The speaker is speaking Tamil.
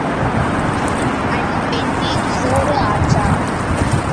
அடி பெண்ணே சோறு ஆச்சா?